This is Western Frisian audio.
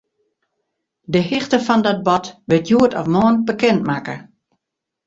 De hichte fan dat bod wurdt hjoed of moarn bekendmakke.